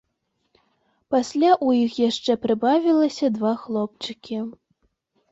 Пасля ў іх яшчэ прыбавілася два хлопчыкі.